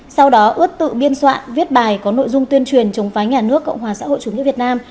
sau đó ướt tự biên soạn viết bài có nội dung tuyên truyền chống phái nhà nước cộng hòa xã hội chủ nghĩa việt nam